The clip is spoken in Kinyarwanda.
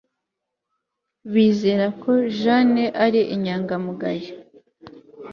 Bizera ko Jane ari inyangamugayo